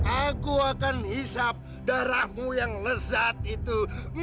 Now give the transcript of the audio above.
aku akan hisap darahmu yang lezat itu